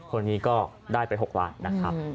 คนนี้ก็ได้ไป๖ล้านนะครับ